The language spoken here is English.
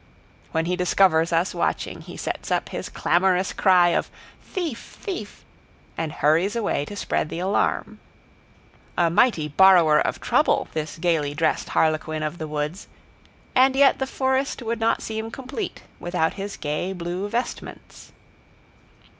When he discovers us watching, he sets up his clamorous cry of "Thief! Thief!" and hurries away to spread the alarm. A mighty borrower of trouble, this gayly dressed harlequin of the woods, and yet the forest would not seem complete without his gay blue vestments.